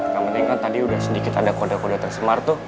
gak mendingan tadi udah sedikit ada kode kode tresmar tuh